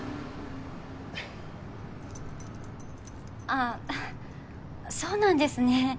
あっそうなんですね。